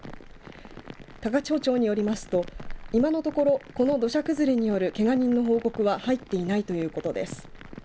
高千穂町によりますと今のところこの土砂崩れによるけが人の報告は入っていないということです。